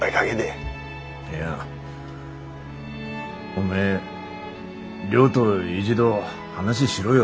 おめえ亮と一度話しろよ。